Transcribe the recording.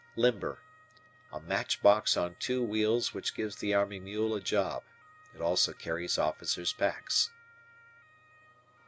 Limber. A match box on two wheels which gives the Army mule a job. It also carries officer's packs.